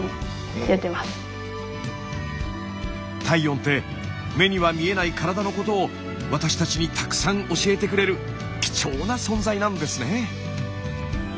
体温って目には見えない体のことを私たちにたくさん教えてくれる貴重な存在なんですね。